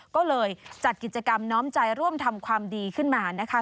ก็เลยจัดกิจกรรมน้อมใจร่วมทำความดีขึ้นมานะคะ